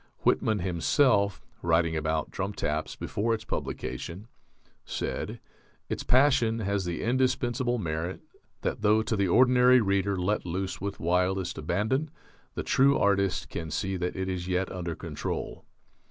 Whitman himself, writing about "Drum Taps" before its publication, said, "Its passion has the indispensable merit that though to the ordinary reader let loose with wildest abandon, the true artist can see that it is yet under control."